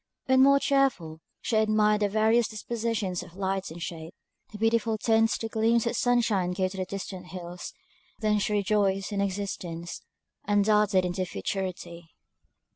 When more cheerful, she admired the various dispositions of light and shade, the beautiful tints the gleams of sunshine gave to the distant hills; then she rejoiced in existence, and darted into futurity.